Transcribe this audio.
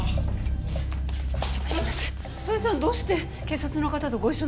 房枝さんどうして警察の方とご一緒なの？